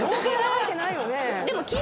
でも。